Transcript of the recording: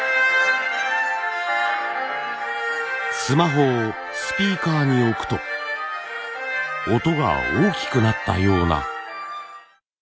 スマホをスピーカーに置くと音が大きくなったような。